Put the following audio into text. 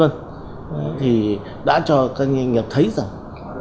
vâng thì đã cho các doanh nghiệp thấy rằng